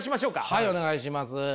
はいお願いします。